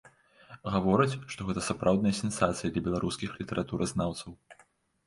Гавораць, што гэта сапраўдная сенсацыя для беларускіх літаратуразнаўцаў.